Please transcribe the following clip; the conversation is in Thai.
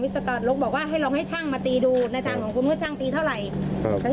๕แสนเบื้องต้น